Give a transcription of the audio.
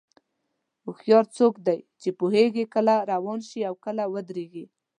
هوښیار څوک دی چې پوهېږي کله روان شي او کله ودرېږي.